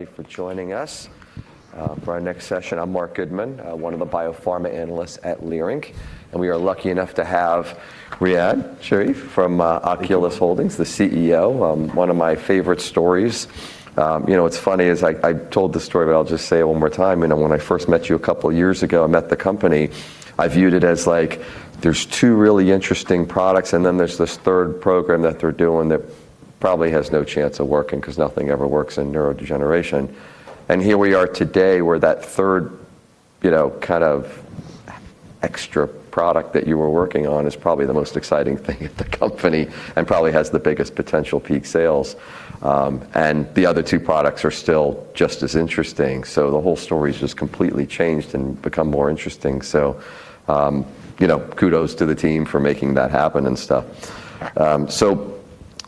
Thank you for joining us for our next session. I'm Marc Goodman, one of the Biopharma Analysts at Leerink, and we are lucky enough to have Riad Sherif from Oculis Holding AG, the CEO, one of my favorite stories. You know what's funny is I told this story, but I'll just say it one more time. You know, when I first met you a couple of years ago, I met the company, I viewed it as like there's two really interesting products, and then there's this third program that they're doing that probably has no chance of working because nothing ever works in neurodegeneration. Here we are today where that third, you know, kind of extra product that you were working on is probably the most exciting thing in the company and probably has the biggest potential peak sales. The other two products are still just as interesting. The whole story's just completely changed and become more interesting. You know, kudos to the team for making that happen and stuff.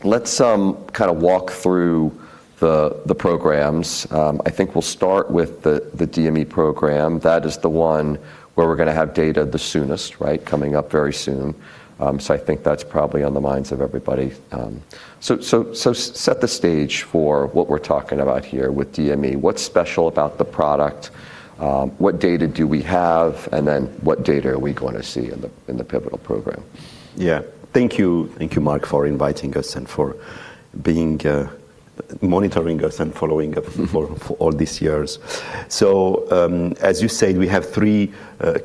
Let's kinda walk through the programs. I think we'll start with the DME program. That is the one where we're gonna have data the soonest, right? Coming up very soon. I think that's probably on the minds of everybody. Set the stage for what we're talking about here with DME. What's special about the product? What data do we have? What data are we gonna see in the pivotal program? Yeah. Thank you. Thank you, Marc, for inviting us and for being monitoring us and following up for all these years. As you said, we have three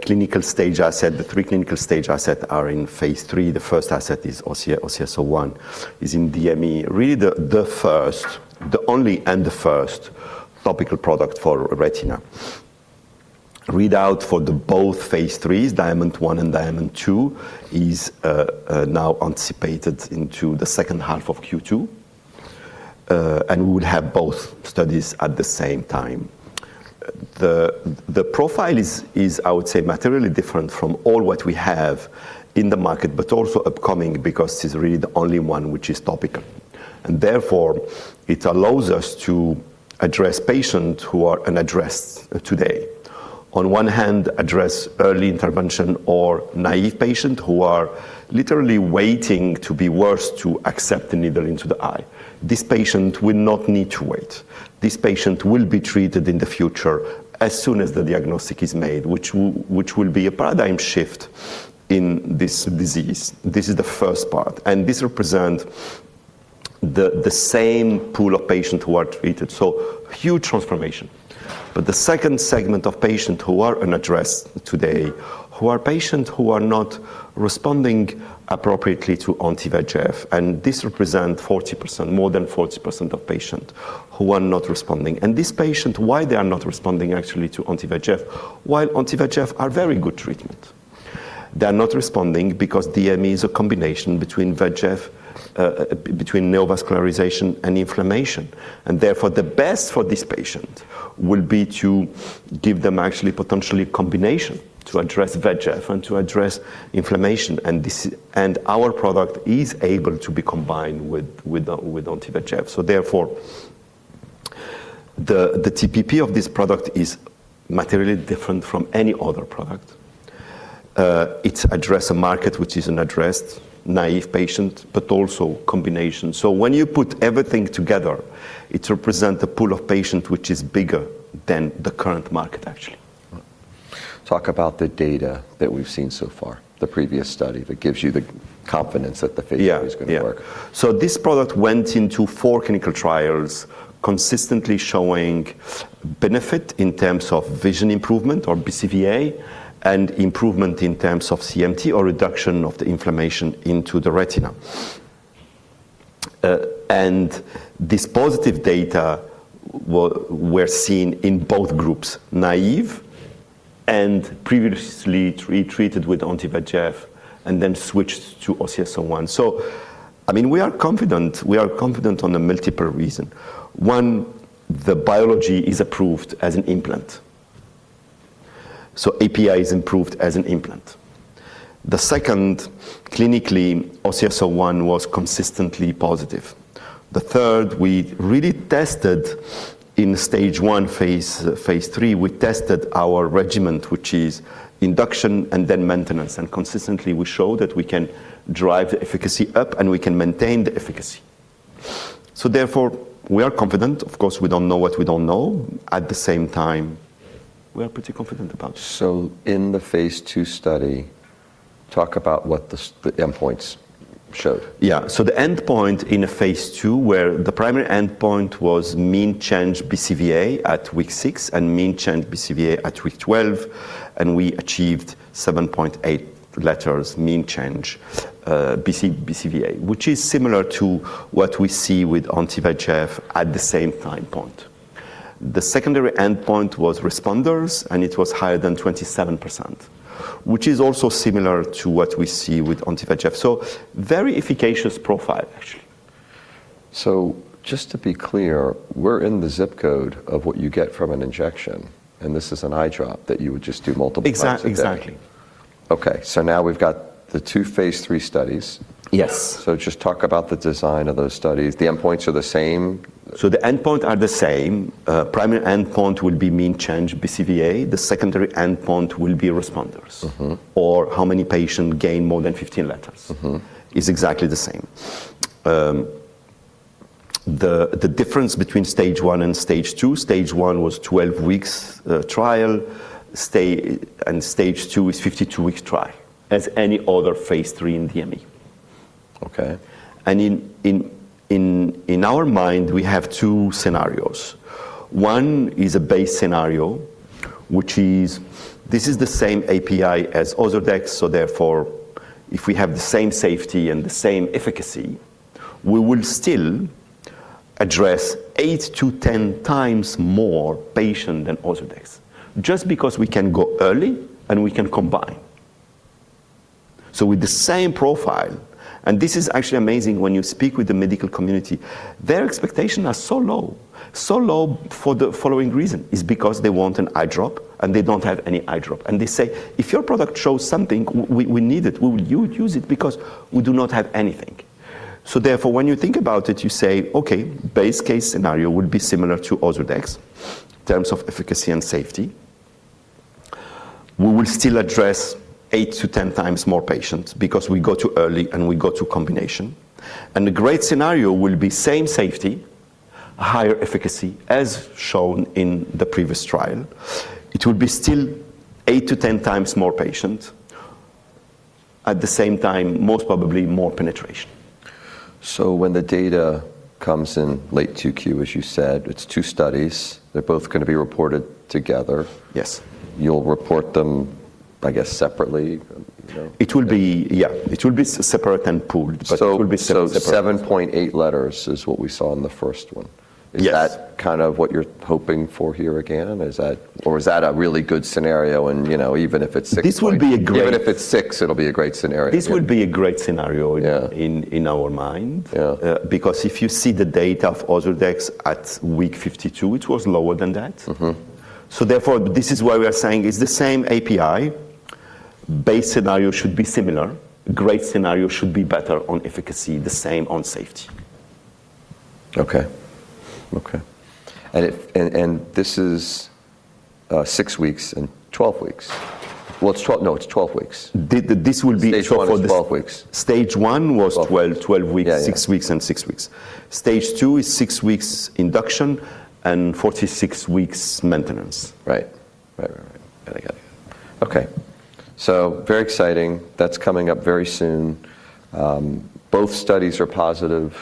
clinical stage asset. The three clinical stage asset are in phase III. The first asset is OCS-01 is in DME. Really the first and only topical product for retina. Readout for both phase IIIs, DIAMOND-1 and DIAMOND-2, is now anticipated into the second half of Q2. We will have both studies at the same time. The profile is, I would say, materially different from all what we have in the market, but also upcoming because it's really the only one which is topical. Therefore, it allows us to address patients who are unaddressed today. On one hand, address early intervention or naïve patient who are literally waiting to be worse to accept the needle into the eye. This patient will not need to wait. This patient will be treated in the future as soon as the diagnosis is made, which will be a paradigm shift in this disease. This is the first part, and this represent the same pool of patient who are treated. Huge transformation. The second segment of patients who are unaddressed today, who are patients who are not responding appropriately to anti-VEGF, and this represent 40%, more than 40% of patients who are not responding. These patients, why they are not responding actually to anti-VEGF, while anti-VEGF are very good treatment. They are not responding because DME is a combination between VEGF, between neovascularization and inflammation. Therefore, the best for this patient will be to give them actually potentially combination to address VEGF and to address inflammation. This and our product is able to be combined with the anti-VEGF. Therefore, the TPP of this product is materially different from any other product. It address a market which is unaddressed, naive patient, but also combination. When you put everything together, it represent a pool of patient which is bigger than the current market, actually. Talk about the data that we've seen so far, the previous study that gives you the confidence that the phase III is gonna work. Yeah. Yeah. This product went into four clinical trials consistently showing benefit in terms of vision improvement or BCVA and improvement in terms of CMT or reduction of the inflammation into the retina. This positive data were seen in both groups, naive and previously treated with anti-VEGF and then switched to OCS-01. I mean, we are confident on a multiple reason. One, the biology is approved as an implant. API is approved as an implant. The second, clinically, OCS-01 was consistently positive. The third, we really tested in stage one, phase III, we tested our regimen, which is induction and then maintenance. Consistently, we show that we can drive the efficacy up and we can maintain the efficacy. Therefore, we are confident. Of course, we don't know what we don't know. At the same time, we are pretty confident about it. In the phase II study, talk about what the endpoints showed. Yeah. The endpoint in phase II were the primary endpoint was mean change BCVA at week 6 and mean change BCVA at week 12, and we achieved 7.8 letters mean change, BCVA, which is similar to what we see with anti-VEGF at the same time point. The secondary endpoint was responders, and it was higher than 27%, which is also similar to what we see with anti-VEGF. Very efficacious profile, actually. Just to be clear, we're in the ZIP code of what you get from an injection, and this is an eye drop that you would just do multiple times a day. Exactly. Exactly. Okay. Now we've got the two phase III studies. Yes. Just talk about the design of those studies. The endpoints are the same? The endpoint are the same. Primary endpoint will be mean change BCVA. The secondary endpoint will be responders. How many patients gain more than 15 letters? Is exactly the same. The difference between stage 1 and stage 2, stage 1 was 12 weeks, trial and stage 2 is 52-week trial as any other phase III in DME, okay? In our mind, we have 2 scenarios. 1 is a base scenario, which is this is the same API as Ozurdex, so therefore if we have the same safety and the same efficacy, we will still address 8x-10x more patients than Ozurdex just because we can go early and we can combine. With the same profile, and this is actually amazing when you speak with the medical community, their expectations are so low for the following reason, because they want an eye drop and they don't have any eye drop. They say, "If your product shows something, we need it. We will use it because we do not have anything." Therefore, when you think about it, you say, okay, base case scenario would be similar to Ozurdex in terms of efficacy and safety. We will still address 8x-10x more patients because we go to early and we go to combination. The great scenario will be same safety, a higher efficacy as shown in the previous trial. It would be still 8x-10x more patient. At the same time, most probably more penetration. When the data comes in late 2Q, as you said, it's two studies. They're both gonna be reported together. Yes. You'll report them, I guess, separately, you know? It will be separate and pooled. It will be separate. So, 7.8 letters is what we saw in the first one. Yes. Is that kind of what you're hoping for here again? Or is that a really good scenario and, you know, even if it's, even if it's six, it'll be a great scenario. This would be a great scenario. Yeah In our mind. Yeah. Because if you see the data of Ozurdex at week 52, which was lower than that. Mm-hmm. Therefore, this is why we are saying it's the same API. Base scenario should be similar. Great scenario should be better on efficacy, the same on safety. Okay. This is six weeks and 12 weeks. Well, it's 12 weeks. This will be. Stage 1 is 12 weeks. Stage 1 was 12 weeks. Yeah, yeah. Six weeks and six weeks. Stage 2 is six weeks induction and 46 weeks maintenance. Right. Yeah, I got it. Okay. Very exciting. That's coming up very soon. Both studies are positive.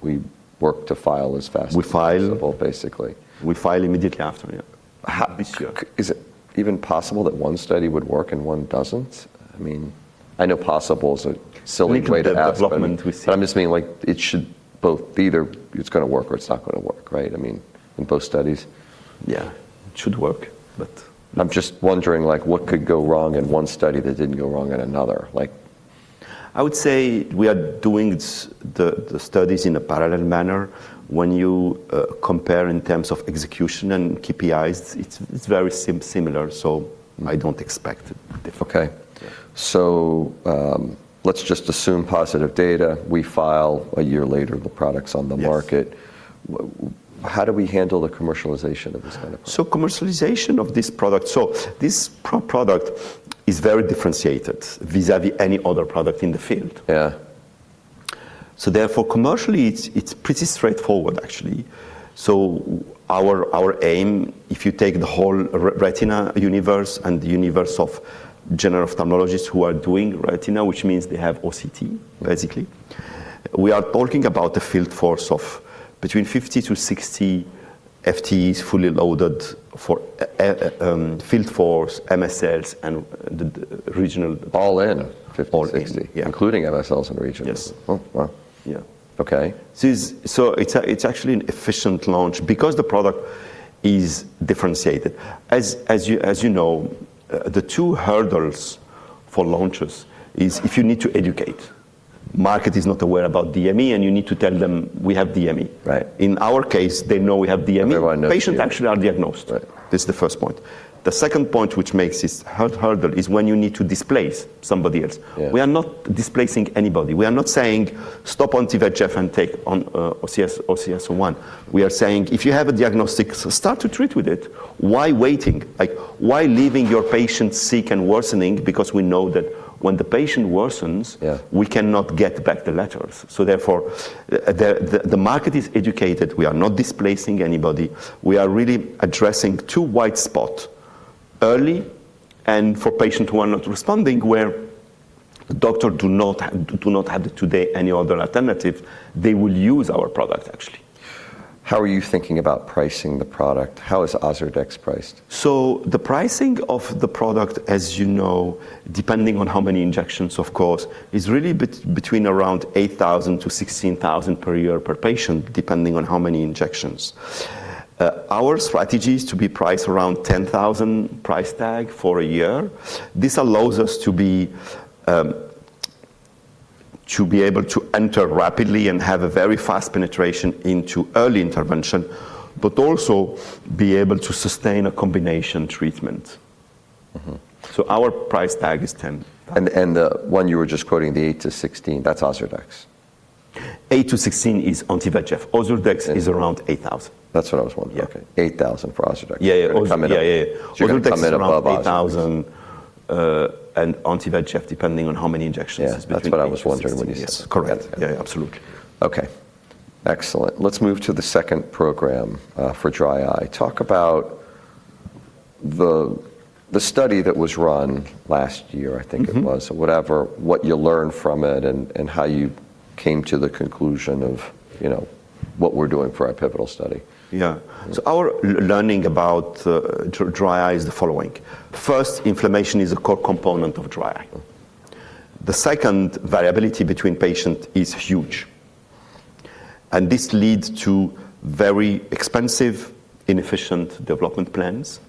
We work to file as fast as possible, basically. We file immediately after, yeah this year. Is it even possible that one study would work and one doesn't? I mean, I know possible is a silly way to ask. Depending on the development we see. I'm just meaning like it should both be either it's gonna work or it's not gonna work, right? I mean, in both studies. Yeah. It should work, but. I'm just wondering like what could go wrong in one study that didn't go wrong in another? I would say we are doing the studies in a parallel manner. When you compare in terms of execution and KPIs, it's very similar, so I don't expect it different. Okay. Let's just assume positive data. We file a year later, the product's on the market. How do we handle the commercialization of this kind of product? This product is very differentiated vis-a-vis any other product in the field. Yeah. Therefore, commercially it's pretty straightforward actually. Our aim, if you take the whole retina universe and the universe of general ophthalmologists who are doing retina, which means they have OCT, basically, we are talking about the field force of between 50-60 FTEs fully loaded for field force, MSLs and the regional- All in, 50-60. All in. Yeah. Including MSLs and regionals. Yes. Oh, wow. Yeah. Okay. It's actually an efficient launch because the product is differentiated. As you know, the two hurdles for launches is if you need to educate. Market is not aware about DME and you need to tell them we have DME. Right. In our case, they know we have DME. Everyone knows DME. Patients actually are diagnosed. This is the first point. The second point which makes this harder is when you need to displace somebody else. We are not displacing anybody. We are not saying stop on the DME and take on OCS-01. We are saying if you have a diagnosis, so start to treat with it. Why wait? Like, why leave your patients sick and worsening because we know that when the patient worsens. We cannot get back the letters. Therefore, the market is educated. We are not displacing anybody. We are really addressing the white space early and for patients who are not responding, where doctors do not have today any other alternative. They will use our product actually. How are you thinking about pricing the product? How is Ozurdex priced? The pricing of the product, as you know, depending on how many injections, of course, is really between around $8,000-$16,000 per year per patient, depending on how many injections. Our strategy is to be priced around $10,000 price tag for a year. This allows us to be able to enter rapidly and have a very fast penetration into early intervention, but also be able to sustain a combination treatment. Our price tag is $10,000. The one you were just quoting, the 8-16, that's Ozurdex? 8-16 is anti-VEGF, Ozurdex is around $8,000. That's what I was wondering. Yeah. Okay. $8,000 for Ozurdex. Yeah, yeah. You're gonna come in. Yeah, yeah. Ozurdex is around. You're gonna come in above Ozurdex. Anti-VEGF, depending on how many injections it's between the patients. Yeah. That's what I was wondering when you said that. Correct. Yeah. Yeah, absolutely. Okay. Excellent. Let's move to the second program for dry eye. Talk about the study that was run last year, I think it was, or whatever. What you learned from it and how you came to the conclusion of, you know, what we're doing for our pivotal study. Yeah. Our learning about dry eye is the following. First, inflammation is a core component of dry eye. The second, variability between patient is huge, and this leads to very expensive, inefficient development plans,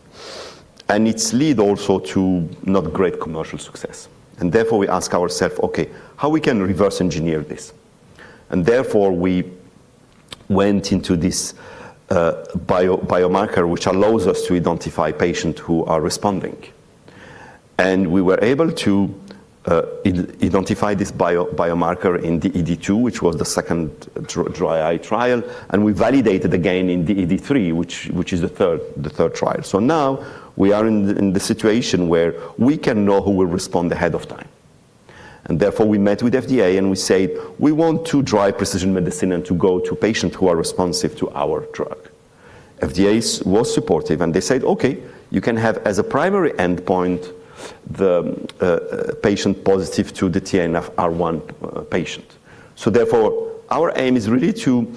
and it's lead also to not great commercial success. Therefore, we ask ourself, "Okay, how we can reverse engineer this?" Therefore, we went into this biomarker which allows us to identify patient who are responding. We were able to identify this biomarker in the DED 2, which was the second dry eye trial, and we validated again in the DED 3, which is the third trial. Now we are in the situation where we can know who will respond ahead of time. We met with FDA and we said, "We want to drive precision medicine and to go to patient who are responsive to our drug." FDA was supportive, and they said, "Okay, you can have as a primary endpoint the patient positive to the TNFR1 patient." Therefore, our aim is really to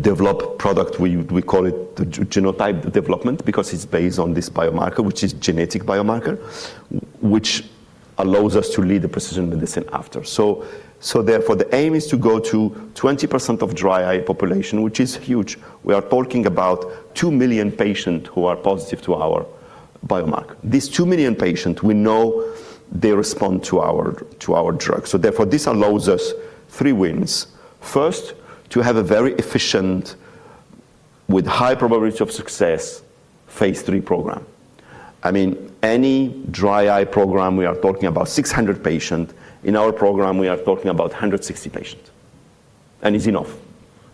develop product. We call it the genotype development because it's based on this biomarker, which is genetic biomarker, which allows us to lead the precision medicine after. Therefore, the aim is to go to 20% of dry eye population, which is huge. We are talking about 2 million patient who are positive to our biomarker. These 2 million patient, we know they respond to our drug. Therefore, this allows us three wins. First, to have a very efficient, with high probability of success, phase III program. I mean, any dry eye program, we are talking about 600 patients. In our program, we are talking about 160 patients, and is enough.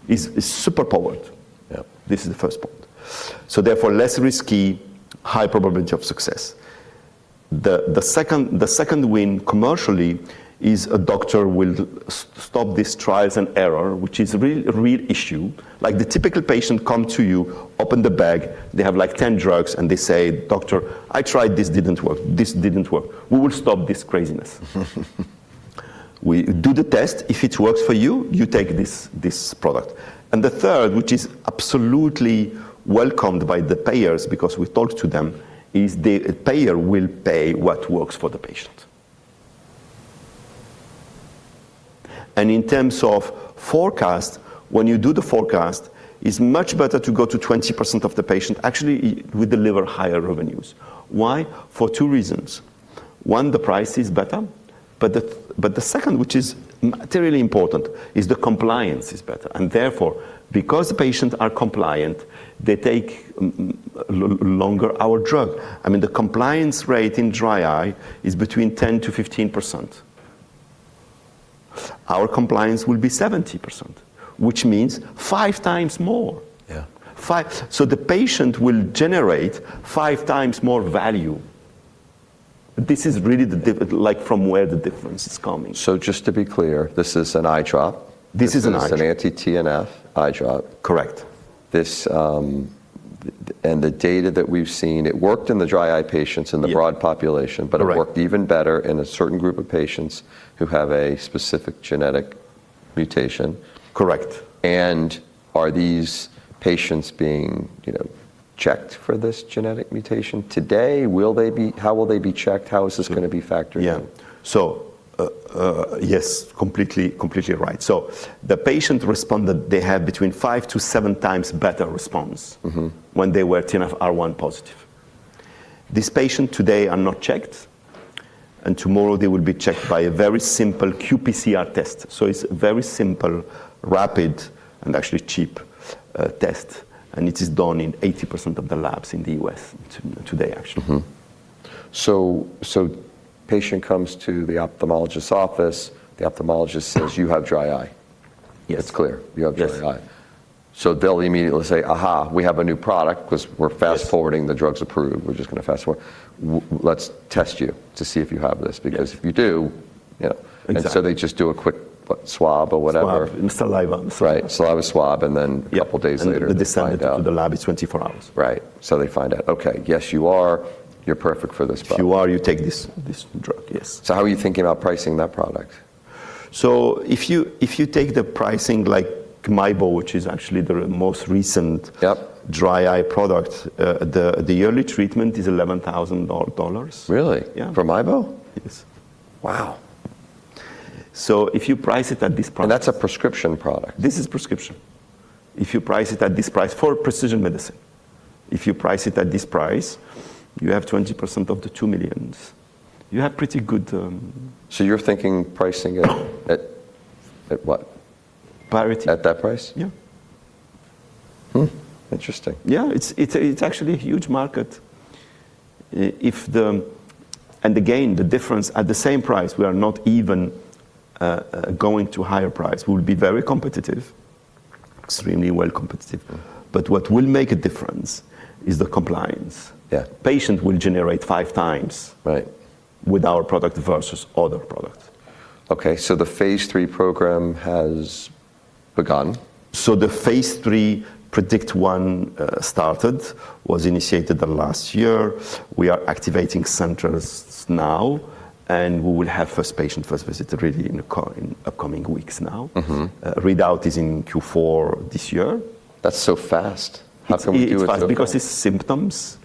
Is super powered. This is the first point. Therefore, less risky, high probability of success. The second win commercially is a doctor will stop this trial and error, which is a real issue. Like the typical patient come to you, open the bag, they have like 10 drugs and they say, "Doctor, I tried this, didn't work. This didn't work." We will stop this craziness. We do the test. If it works for you take this product. The third, which is absolutely welcomed by the payers because we talked to them, is the payer will pay what works for the patient. In terms of forecast, when you do the forecast, it's much better to go to 20% of the patient. Actually, we deliver higher revenues. Why? For two reasons. One, the price is better, but the second, which is materially important, is the compliance is better. Therefore, because patients are compliant, they take longer our drug. I mean the compliance rate in dry eye is between 10%-15%. Our compliance will be 70%, which means 5x more. The patient will generate 5x more value. This is really the difference, like from where the difference is coming. Just to be clear, this is an eye drop. This is an eye drop. This is an anti-TNF eye drop. Correct. This, the data that we've seen, it worked in the dry eye patients in the broad population. Correct It worked even better in a certain group of patients who have a specific genetic mutation. Correct. Are these patients being, you know, checked for this genetic mutation today? Will they be? How will they be checked? How is this gonna be factored in? Yeah. Yes, completely right. The patient responded they had between 5x-7x better response when they were TNFR1 positive. This patient today are not checked, and tomorrow they will be checked by a very simple qPCR test. It's very simple, rapid, and actually cheap test, and it is done in 80% of the labs in the U.S. today actually. Patient comes to the ophthalmologist's office. The ophthalmologist says, "You have dry eye. Yes. It's clear. Yes. You have dry eye. They'll immediately say, "Aha, we have a new product," because we're fast-forwarding the drugs approved. We're just gonna fast-forward. Let's test you to see if you have this because if you do, you know. Exactly. They just do a quick, what, swab or whatever? Swab and saliva. Right. Saliva swab. Yeah A couple of days later they find out. They send it to the lab. It's 24 hours. Right. They find out, "Okay. Yes you are. You're perfect for this product. If you are, you take this drug. Yes. How are you thinking about pricing that product? If you take the pricing like MIEBO, which is actually the most recent dry eye product, the yearly treatment is $11,000. Really? Yeah. For MIEBO? Yes. Wow. If you price it at this price. That's a prescription product. This is prescription. If you price it at this price for precision medicine, you have 20% of the 2 million. You have pretty good. You're thinking pricing it at what? Parity. At that price? Yeah. Interesting. Yeah. It's actually a huge market. Again, the difference at the same price, we are not even going to higher price. We'll be very competitive. Extremely well competitive. But what will make a difference is the compliance. Yeah. Patient will generate 5x with our product versus other products. Okay. The phase III program has begun? The phase III PREDICT-1 was initiated last year. We are activating centers now, and we will have first patient, first visit really in the upcoming weeks now. Readout is in Q4 this year. That's so fast. How come you do it so It's fast because it's symptoms.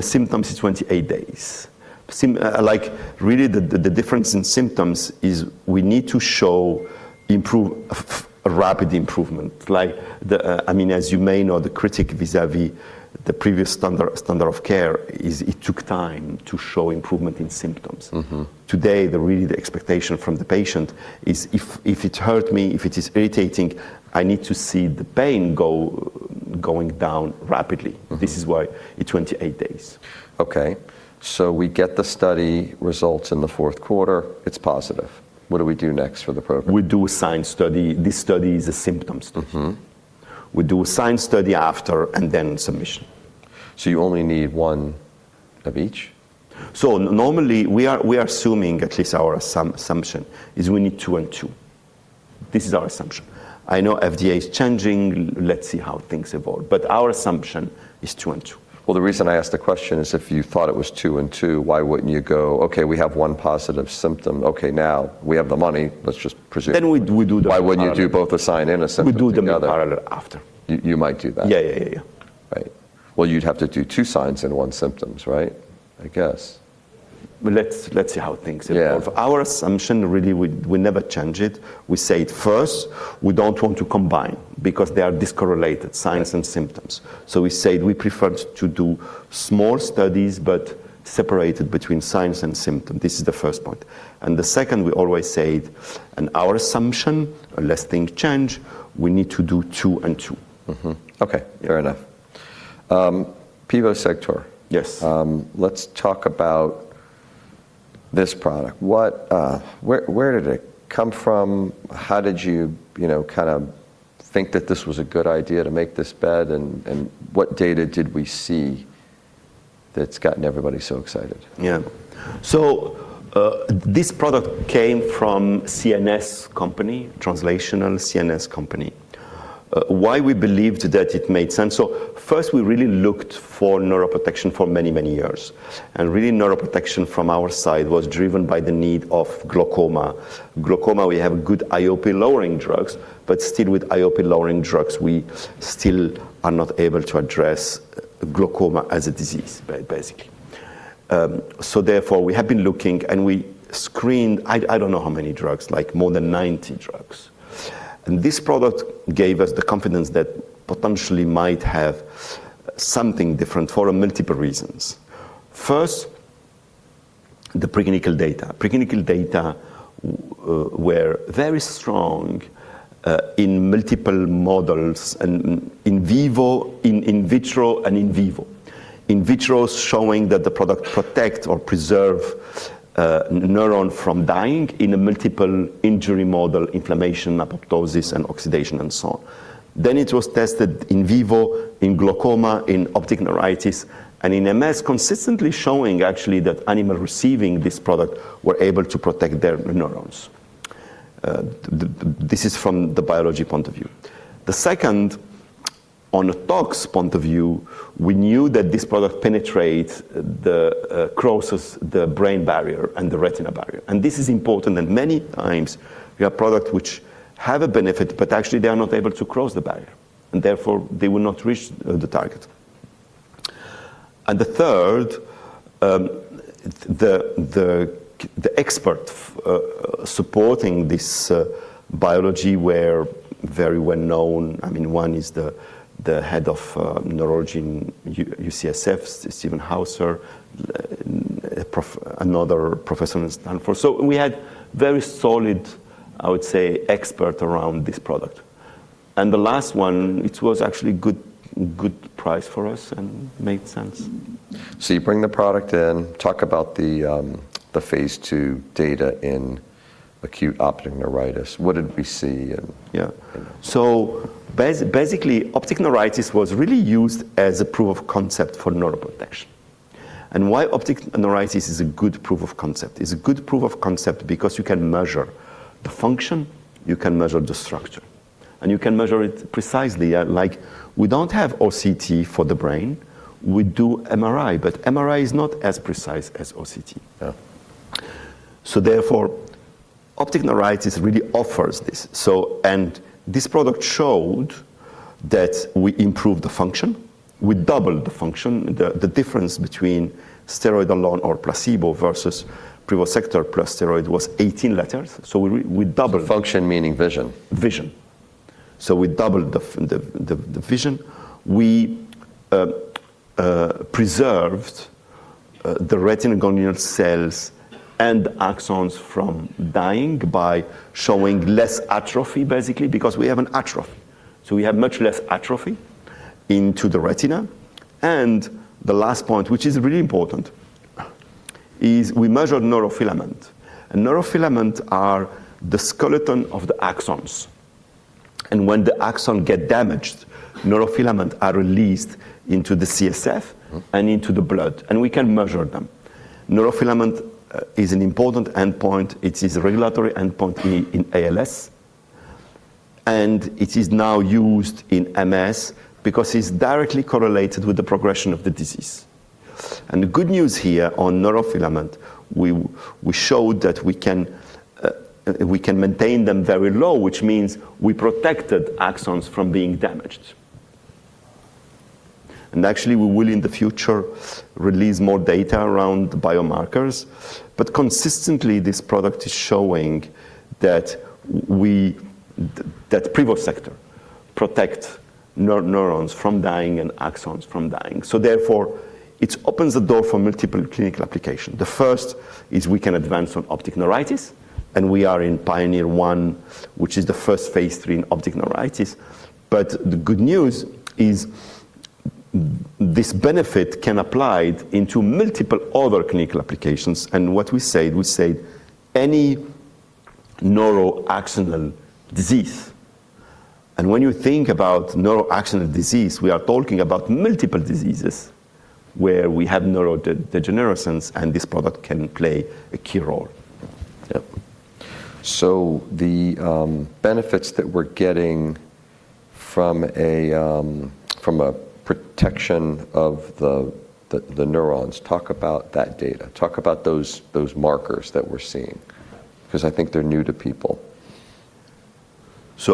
Symptoms is 28 days. Like, really the difference in symptoms is we need to show rapid improvement. Like, I mean, as you may know, the critique vis-à-vis the previous standard of care is it took time to show improvement in symptoms. Today, really, the expectation from the patient is if it hurt me, if it is irritating, I need to see the pain going down rapidly. This is why it's 28 days. Okay. We get the study results in the fourth quarter, it's positive. What do we do next for the program? We design study. This study is a symptoms study. We design study after and then submission. You only need one of each? Normally, we are assuming, at least our assumption, is we need two and two. This is our assumption. I know FDA is changing. Let's see how things evolve, but our assumption is two and two. Well, the reason I asked the question is if you thought it was two and two, why wouldn't you go, "Okay, we have one positive symptom. Okay, now we have the money." Let's just presume. We'd do the parallel. Why wouldn't you do both a sign and a symptom together? We do them in parallel after. You might do that? Yeah. Right. Well, you'd have to do two signs and one symptoms, right? I guess. Let's see how things evolve. Yeah. Our assumption really, we'd never change it. We say it first. We don't want to combine because they are uncorrelated, signs and symptoms. We said we preferred to do small studies, but separated between signs and symptoms. This is the first point. The second, we always said, and our assumption, unless things change, we need to do two and two. Okay. Fair enough. Privosegtor. Yes. Let's talk about this product. Where did it come from? How did you know, kind of think that this was a good idea to make this bet? What data did we see that's gotten everybody so excited? Yeah, this product came from CNS company, translational CNS company. Why we believed that it made sense. First, we really looked for neuroprotection for many, many years. Really, neuroprotection from our side was driven by the need of glaucoma. Glaucoma, we have good IOP lowering drugs, but still with IOP lowering drugs, we still are not able to address glaucoma as a disease, basically. Therefore, we have been looking, and we screened, I don't know how many drugs, like more than 90 drugs. This product gave us the confidence that potentially might have something different for multiple reasons. First, the preclinical data. Preclinical data were very strong in multiple models and in vitro and in vivo. In vitro showing that the product protect or preserve neuron from dying in a multiple injury model, inflammation, apoptosis, and oxidation, and so on. It was tested in vivo in glaucoma, in optic neuritis, and in MS, consistently showing actually that animal receiving this product were able to protect their neurons. This is from the biology point of view. The second, on a tox point of view, we knew that this product crosses the brain barrier and the retina barrier, and this is important. Many times we have product which have a benefit, but actually they are not able to cross the barrier, and therefore they will not reach the target. The third, experts supporting this biology were very well known. I mean, one is the head of neurology in UCSF, Stephen Hauser, another professor in Stanford. We had very solid, I would say, expert around this product. The last one, it was actually good price for us and made sense. You bring the product in, talk about the phase II data in acute optic neuritis. What did we see? Basically, optic neuritis was really used as a proof of concept for neuroprotection. Why optic neuritis is a good proof of concept? It's a good proof of concept because you can measure the function, you can measure the structure, and you can measure it precisely. Like we don't have OCT for the brain. We do MRI, but MRI is not as precise as OCT. Yeah. Therefore, optic neuritis really offers this. This product showed that we improved the function. We doubled the function. The difference between steroid alone or placebo versus Privosegtor plus steroid was 18 letters. We doubled. Function meaning vision? Vision. We doubled the vision. We preserved the retinal ganglion cells and axons from dying by showing less atrophy, basically because we have an atrophy. We have much less atrophy into the retina. The last point, which is really important, is we measured neurofilament. Neurofilament are the skeleton of the axons. When the axon get damaged, neurofilament are released into the CSF into the blood. We can measure them. Neurofilament is an important endpoint. It is a regulatory endpoint in ALS, and it is now used in MS because it's directly correlated with the progression of the disease. Yes. The good news here on neurofilament, we showed that we can maintain them very low, which means we protected axons from being damaged. Actually, we will, in the future, release more data around the biomarkers. Consistently, this product is showing that Privosegtor protects neurons from dying and axons from dying. Therefore, it opens the door for multiple clinical application. The first is we can advance on optic neuritis, and we are in PIONEER-1, which is the first phase III in optic neuritis. The good news is this benefit can be applied into multiple other clinical applications. What we said, we said any neuroaxonal disease. When you think about neuroaxonal disease, we are talking about multiple diseases where we have neurodegeneration, and this product can play a key role. Yep. The benefits that we're getting from a protection of the neurons, talk about that data. Talk about those markers that we're seeing, 'cause I think they're new to people.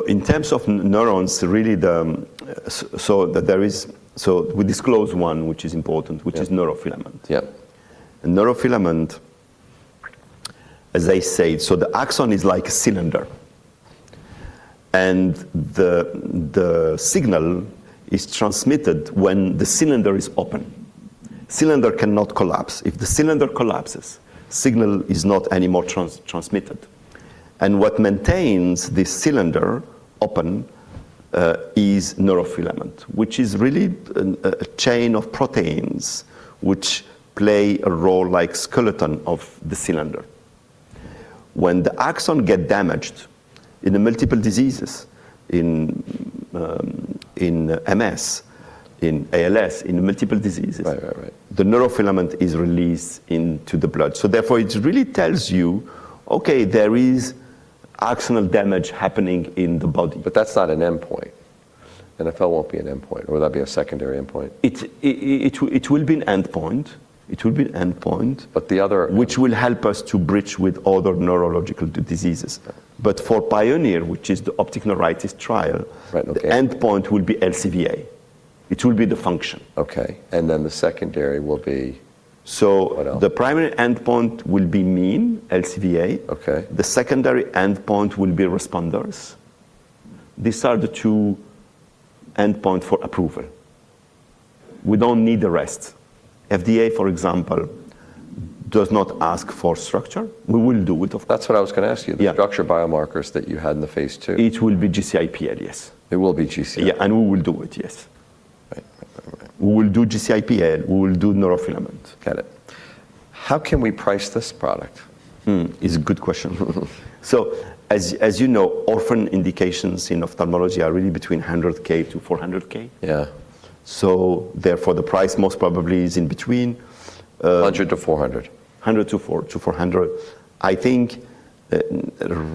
In terms of neurons, we disclose one, which is important which is Neurofilament. Yeah. Neurofilament, as I said, the axon is like a cylinder, and the signal is transmitted when the cylinder is open. Cylinder cannot collapse. If the cylinder collapses, signal is not anymore transmitted. What maintains this cylinder open is Neurofilament, which is really a chain of proteins which play a role like skeleton of the cylinder. When the axon get damaged in the multiple diseases, in MS, in ALS, in multiple diseases. Right. The Neurofilament is released into the blood. It really tells you, okay, there is axonal damage happening in the body. That's not an endpoint. NFL won't be an endpoint, or would that be a secondary endpoint? It will be an endpoint. But the other- Which will help us to bridge with other neurological diseases. Yeah. For PIONEER, which is the optic neuritis trial. Right. Okay The endpoint will be LCVA. It will be the function. Okay. The secondary will be what else? The primary endpoint will be mean LCVA. Okay. The secondary endpoint will be responders. These are the two endpoints for approval. We don't need the rest. FDA, for example, does not ask for structure. We will do it. That's what I was gonna ask you. Yeah. The structural biomarkers that you had in the phase II. It will be GCIPL, yes. It will be GCIPL. Yeah. We will do it, yes. Right. We will do GCIPL, we will do Neurofilament. Got it. How can we price this product? It's a good question. As you know, orphan indications in ophthalmology are really between $100,000-$400,000. Yeah. The price most probably is in between. $100,000-$400,000. $100,000-$400,000. I think,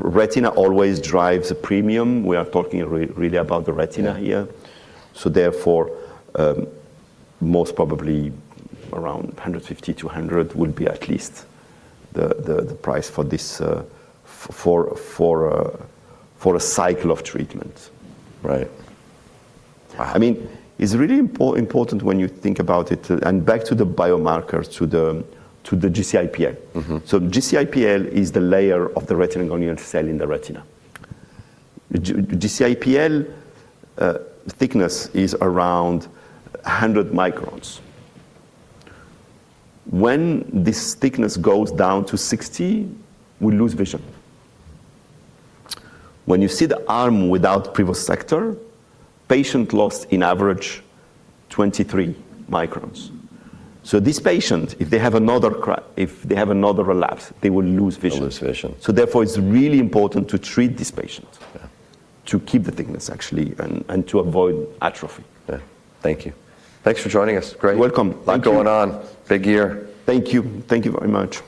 retina always drives a premium. We are talking really about the retina here. Yeah. Therefore, most probably around $150-$200 will be at least the price for this for a cycle of treatment. Right. Wow. I mean, it's really important when you think about it, and back to the biomarkers to the GCIPL. GCIPL is the layer of the retinal ganglion cell in the retina. GCIPL thickness is around 100 microns. When this thickness goes down to 60, we lose vision. When you see the arm without Privosegtor, patient lost in average 23 microns. This patient, if they have another relapse, they will lose vision. They'll lose vision. Therefore, it's really important to treat this patient to keep the thickness actually and to avoid atrophy. Yeah. Thank you. Thanks for joining us. Great. You're welcome. Thank you. A lot going on. Big year. Thank you. Thank you very much.